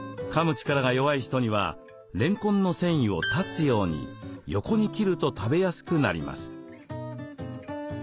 力が弱い人にはれんこんの繊維を断つように横に切ると食べやすくなります。